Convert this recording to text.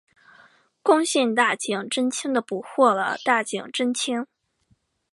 攻陷大井贞清的捕获了大井贞清。